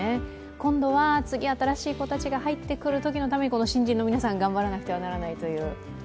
今度は次、新しい子たちが入ってくるときのためにこの新人の皆さん頑張らなくてはならないという。